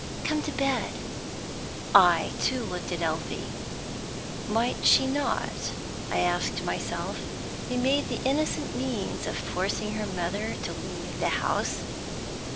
"Come to bed." I too looked at Elfie. Might she not, I asked myself, be made the innocent means of forcing her mother to leave the house?